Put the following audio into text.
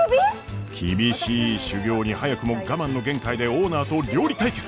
厳しい修業に早くも我慢の限界でオーナーと料理対決！